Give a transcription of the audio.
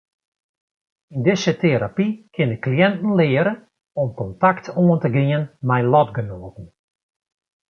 Yn dizze terapy kinne kliïnten leare om kontakt oan te gean mei lotgenoaten.